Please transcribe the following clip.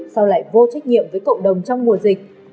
sau lại vô trách nhiệm với cộng đồng trong mùa dịch